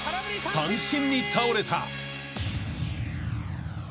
［三振に倒れた］